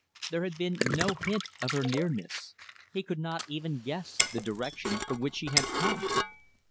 There had been no hint of her nearness. He could not even guess the direction from which she had come.